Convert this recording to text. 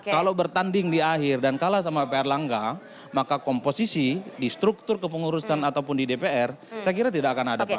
kalau bertanding di akhir dan kalah sama pak erlangga maka komposisi di struktur kepengurusan ataupun di dpr saya kira tidak akan ada pengaruh